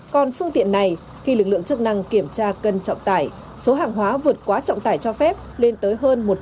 còn phương tiện này khi lực lượng chức năng kiểm tra cân trọng tải số hàng hóa vượt quá trọng tải cho phép lên tới hơn một trăm linh